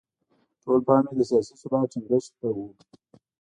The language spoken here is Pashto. ټول پام یې د سیاسي ثبات ټینګښت ته و.